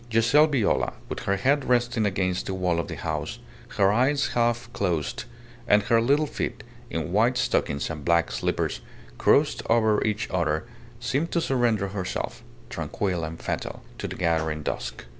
Giselle Viola, with her head resting against the wall of the house, her eyes half closed, and her little feet, in white stockings and black slippers, crossed over each other, seemed to surrender herself, tranquil and fatal, to the gathering dusk.